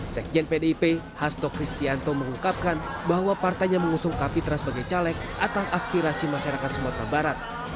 sekjen pdip hasto kristianto mengungkapkan bahwa partainya mengusung kapitra sebagai caleg atas aspirasi masyarakat sumatera barat